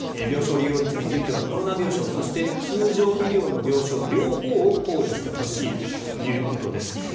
病床利用率についてはコロナ病床と通常医療の病床の両方を考慮してほしいということです。